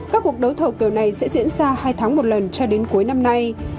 các cuộc đấu thầu kiểu này sẽ diễn ra hai tháng một lần cho đến cuối năm nay